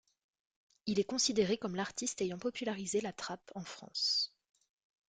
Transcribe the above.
Il est considéré comme l'artiste ayant popularisé la trap en France.